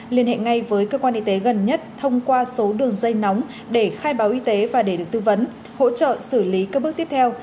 liên hệ ngay với cơ quan y tế gần nhất thông qua số đường dây nóng để khai báo y tế và để được tư vấn hỗ trợ xử lý các bước tiếp theo